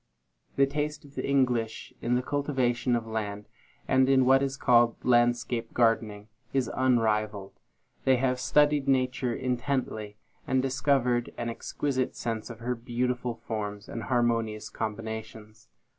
The taste of the English in the cultivation of land, and in what is called landscape gardening, is unrivalled. They have studied Nature intently, and discovered an exquisite sense of her beautiful forms and harmonious combinations.